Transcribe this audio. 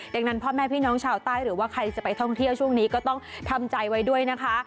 ดังนั้นพ่อแม่พี่น้องชาวใต้หรือว่าใครจะไปท่องเที่ยวช่วงนี้ก็ต้องทำใจไว้ด้วยนะคะ